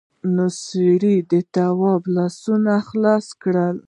نوي سړي د تواب لاسونه خلاص کړل.